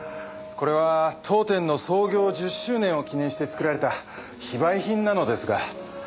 これは当店の創業１０周年を記念して作られた非売品なのですが。